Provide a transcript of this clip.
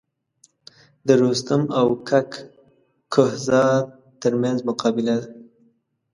د رستم او کک کهزاد تر منځ مقابله ده.